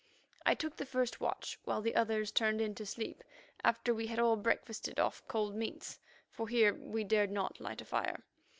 I took the first watch, while the others turned in to sleep after we had all breakfasted off cold meats, for here we dared not light a fire.